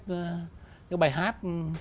cái bài hát